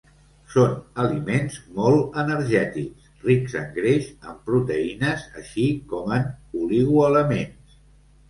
Són aliments molt energètics, rics en greix, en proteïnes, així com en oligoelements.